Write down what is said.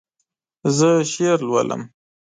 زه شعر لولم